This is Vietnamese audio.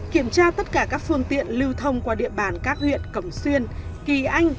kiểm tra tất cả các phương tiện lưu thông qua địa bàn các huyện cẩm xuyên kỳ anh